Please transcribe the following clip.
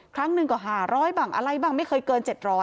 ครั้งหนึ่งก็๕๐๐บ้างอะไรบ้างไม่เคยเกิน๗๐๐